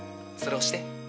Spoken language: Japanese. それ押して。